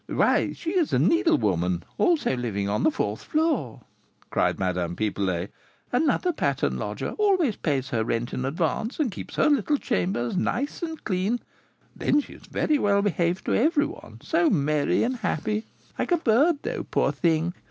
"Why, she is a needlewoman, also living on the fourth floor," cried Madame Pipelet; "another pattern lodger, always pays her rent in advance, and keeps her little chamber so nice and clean; then she is well behaved to every one, so merry and happy, like a bird, though, poor thing!